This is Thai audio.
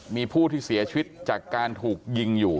มีผู้ที่เสียชีวิตจากการถูกยิงอยู่